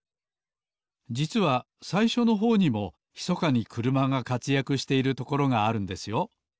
じつはさいしょのほうにもひそかにくるまがかつやくしているところがあるんですよ